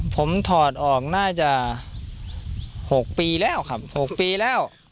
ผมถอดออกน่าจะ๖ปีแล้วครับ๖ปีแล้ว